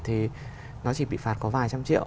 thì nó chỉ bị phạt có vài trăm triệu